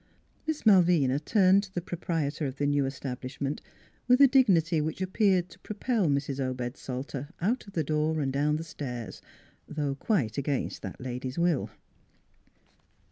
Miss Malvina turned to the proprietor of the new establishment with a dignity which appeared to propel Mrs. Obed Salter out of the door and down the stairs, though quite against that lady's will.